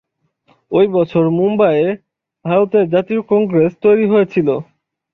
ওই বছর মুম্বইয়ে ভারতের জাতীয় কংগ্রেস তৈরি হয়েছিল।